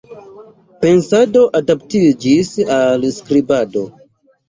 Pensado adaptiĝis al skribado.